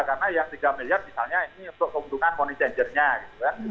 karena ya rp tiga miliar misalnya ini untuk keuntungan money changernya gitu kan